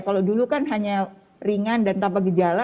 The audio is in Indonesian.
kalau dulu kan hanya ringan dan tanpa gejala